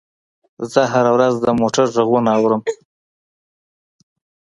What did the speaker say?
زه هره ورځ د موټر غږونه اورم.